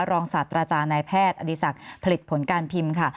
ศาสตราจารย์นายแพทย์อดีศักดิ์ผลิตผลการพิมพ์ค่ะ